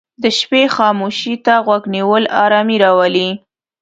د شپې خاموشي ته غوږ نیول آرامي راولي.